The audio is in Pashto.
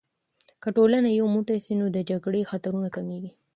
که ټولنه یو موټی سي، نو د جګړې خطرونه کمېږي.